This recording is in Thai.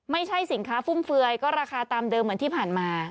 ไม่ใช่สินค้าฟุ่มเฟือยก็ราคาตามเดิมเหมือนที่ผ่านมา